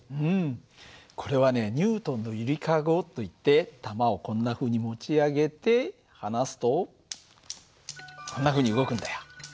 これはねニュートンのゆりかごといって玉をこんなふうに持ち上げて離すとこんなふうに動くんだよ。